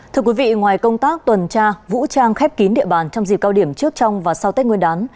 thưa quý vị ngoài công tác tuần tra vũ trang khép kín địa bàn trong dịp cao điểm trước trong và sau tết nguyên đán